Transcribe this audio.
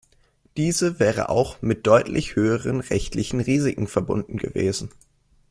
Diese wäre auch mit deutlich höheren rechtlichen Risiken verbunden gewesen.